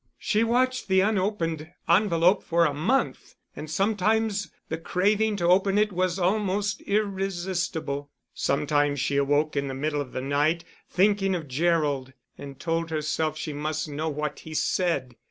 She watched the unopened envelope for a month and sometimes the craving to open it was almost irresistible; sometimes she awoke in the middle of the night, thinking of Gerald, and told herself she must know what he said.